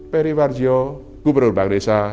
perry warjio gubernur bank indonesia